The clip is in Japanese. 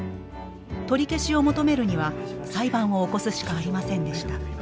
取り消しを求めるには裁判を起こすしかありませんでした。